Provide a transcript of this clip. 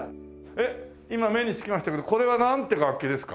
えっ今目につきましたけどこれはなんて楽器ですか？